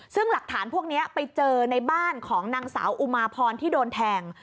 ซึ่งหลักฐานพวกนี้ไปเจอในบ้านของนางสาวอุมาพรที่โดนแทง